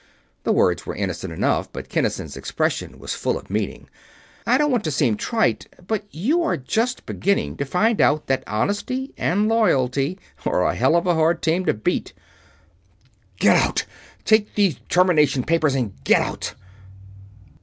The words were innocent enough, but Kinnison's expression was full of meaning. "I don't want to seem trite, but you are just beginning to find out that honesty and loyalty are a hell of a hard team to beat." "Get out! Take these termination papers and GET OUT!"